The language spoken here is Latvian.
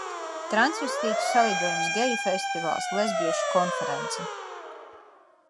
Transvestītu salidojums, geju festivāls, lesbiešu konference.